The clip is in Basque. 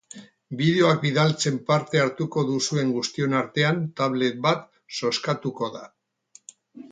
Bideoak bidaltzen parte hartuko duzuen guztion artean, tablet bat zozkatuko da.